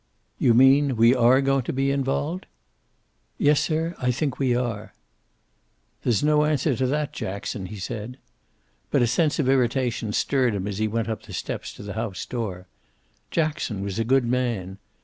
"You mean we are going to be involved?" "Yes, sir. I think we are." "There's no answer to that, Jackson," he said. But a sense of irritation stirred him as he went up the steps to the house door. Jackson was a good man.